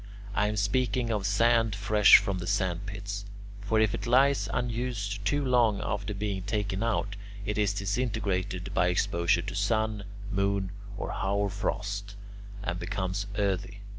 I am speaking of sand fresh from the sandpits. For if it lies unused too long after being taken out, it is disintegrated by exposure to sun, moon, or hoar frost, and becomes earthy.